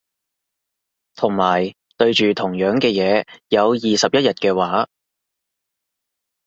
同埋對住同樣嘅嘢有二十一日嘅話